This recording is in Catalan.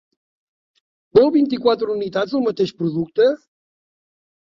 Vol vint-i-quatre unitats del mateix producte?